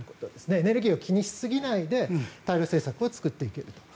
エネルギーを気にしすぎないで対ロ政策を作っていけると。